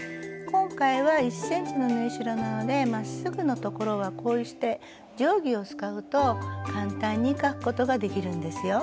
今回は１ｃｍの縫い代なのでまっすぐの所はこうして定規を使うと簡単に書くことができるんですよ。